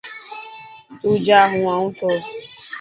تو جا هون آنو ٿو.